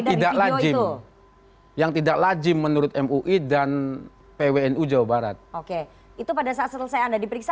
tidak lajim yang tidak lajim menurut mui dan pwnu jawa barat oke itu pada saat selesai anda diperiksa